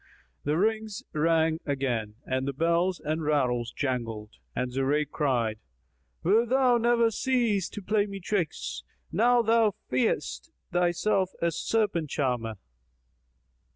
The rings again rang and the bells and rattles jangled, and Zurayk cried, "Wilt thou never cease to play me tricks? Now thou feignest thyself a serpent charmer!"